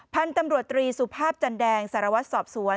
พันธุ์ตำรวจตรีสุภาพจันแดงสารวัตรสอบสวน